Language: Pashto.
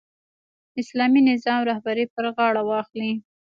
اسلامي نظام رهبري پر غاړه واخلي.